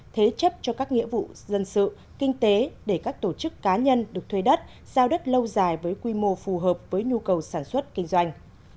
thế chấp cho các nghĩa vụ dân sự kinh tế để các tổ chức cá nhân được thuê đất giao đất lâu dài với quy mô phù hợp với nhu cầu sản xuất kinh doanh